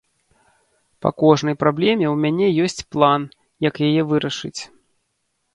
Па кожнай праблеме ў мяне ёсць план, як яе вырашыць.